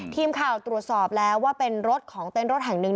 ทีมข่าวตรวจสอบแล้วว่าเป็นรถของเต้นรถแห่งหนึ่ง